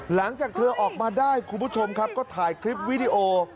หลังจากเธอออกมาได้คุณผู้ชมครับก็ถ่ายคลิปวิดีโอ